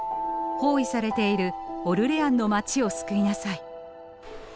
包囲されているオルレアンの街を救いなさい」。